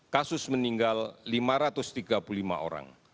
kasus meninggal lima ratus tiga puluh lima orang